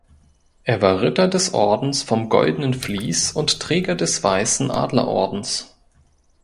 Er war Ritter des Ordens vom Goldenen Vlies und Träger des Weißen Adlerordens.